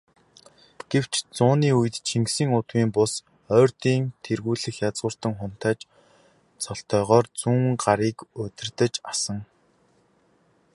Гэвч, зууны үед Чингисийн удмын бус, Ойрдын тэргүүлэх язгууртан хунтайж цолтойгоор Зүүнгарыг удирдаж асан.